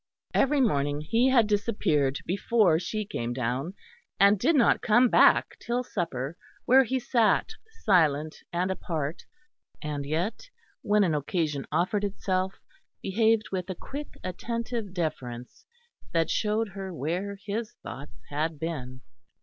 Every morning he had disappeared before she came down, and did not come back till supper, where he sat silent and apart, and yet, when an occasion offered itself, behaved with a quick attentive deference that showed her where his thoughts had been.